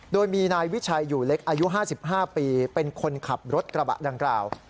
โดยมีนายวิชัยอยู่เล็กอายุ๕๕ปีเป็นคนขับรถกระบะดังกล่าว